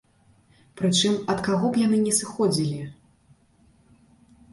Прычым, ад каго б яны не сыходзілі.